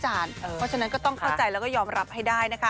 เพราะฉะนั้นก็ต้องเข้าใจแล้วก็ยอมรับให้ได้นะคะ